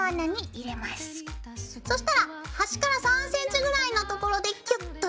そしたら端から３ｃｍぐらいのところでキュッとしたい。